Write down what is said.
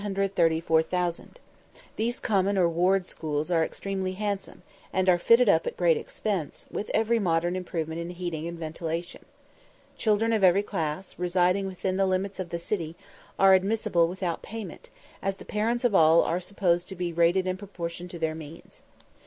These common or ward schools are extremely handsome, and are fitted up at great expense, with every modern improvement in heating and ventilation. Children of every class, residing within the limits of the city, are admissible without payment, as the parents of all are supposed to be rated in proportion to their means.